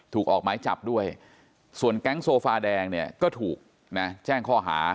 ถูกออกไม้จับด้วยส่วนแก๊งโซฟาแดงเนี่ยก็ถูกนะแจ้งข้อหา